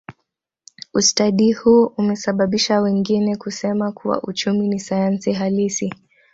Ustadi huu umesababisha wengine kusema kuwa uchumi ni sayansi halisi